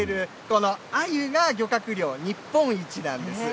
このアユが、漁獲量日本一なんです。